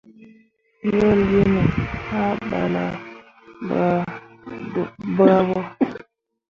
Yo liini, hã ɓala baaɓo.